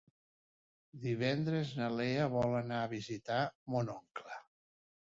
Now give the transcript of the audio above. Divendres na Lea vol anar a visitar mon oncle.